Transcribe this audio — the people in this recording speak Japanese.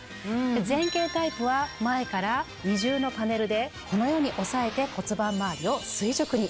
前傾タイプは前から二重のパネルでこのように押さえて骨盤周りを垂直に。